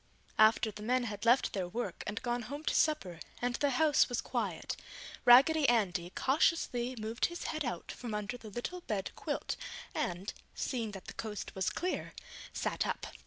After the men had left their work and gone home to supper and the house was quiet, Raggedy Andy cautiously moved his head out from under the little bed quilt and, seeing that the coast was clear, sat up.